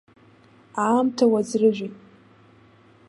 Аамҭа уаӡрыжәит!